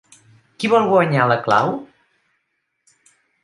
Qui vol guanyar la clau?